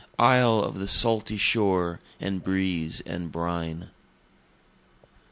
Isle of the salty shore and breeze and brine!